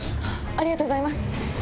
ありがとうございます。